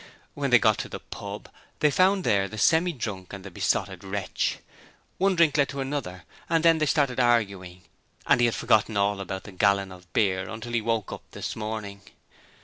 When they got to the pub, they found there the Semi drunk and the Besotted Wretch. One drink led to another, and then they started arguing, and he had forgotten all about the gallon of beer until he woke up this morning.